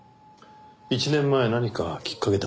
１年前何かきっかけでも？